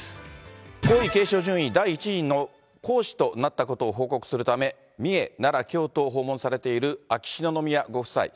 皇位継承順位第１位の皇嗣となったことを報告するため、三重、奈良、京都を訪問されている秋篠宮ご夫妻。